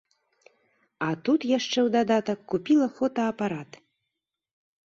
А тут, яшчэ ў дадатак, купіла фотаапарат!